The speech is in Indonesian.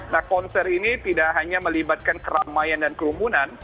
nah konser ini tidak hanya melibatkan keramaian dan kerumunan